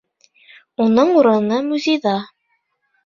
Уның урыны музейҙа.